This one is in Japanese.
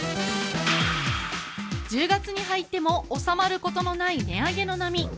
１０月に入っても収まることのない値上げの波。